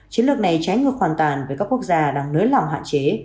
chiến lược này trái ngược hoàn toàn với các quốc gia đang nới lòng hạ chế